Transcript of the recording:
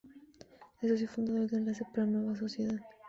Es Socio Fundador de Enlace para una Nueva Sociedad.